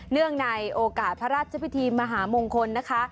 เนื่องในโอกาสพระราชพิธีมหามงคลนะคะ